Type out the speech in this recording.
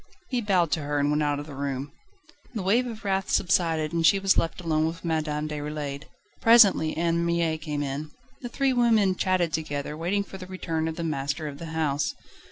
He bowed to her and went out of the room. The wave of wrath subsided, and she was left alone with Madame Déroulède: presently Anne Mie came in. The three women chatted together, waiting for the return of the master of the house.